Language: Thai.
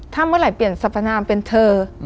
ถ้าเมื่อไหร่เปลี่ยนสรรพนามเป็นเธอ